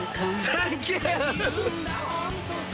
サンキュー。